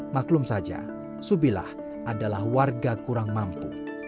maklum saja subilah adalah warga kurang mampu